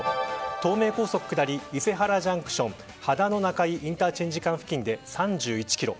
東名高速下り伊勢原ジャンクション秦野中井インターチェンジ間付近で３１キロ。